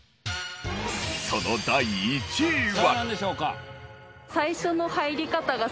その第１位は。